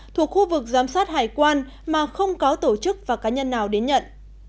thuộc khu vực giám sát hải quan mà không có tổ chức và cá nhân nào đến nhận